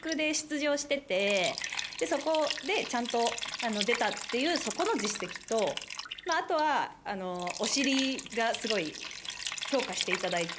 そこでちゃんと出たっていうそこの実績とあとは。がすごい評価していただいて。